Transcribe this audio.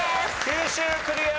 九州クリア！